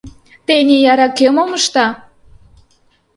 Тений яра кӧ мом ышта?